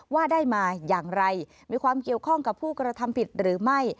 ว่าได้มาอย่างไรมีความเกี่ยวข้องกับผู้กระทำผิดหรือไม่